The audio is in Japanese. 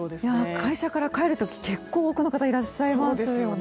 会社から帰る時結構多くの方がいらっしゃいますよね。